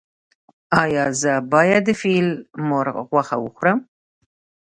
ایا زه باید د فیل مرغ غوښه وخورم؟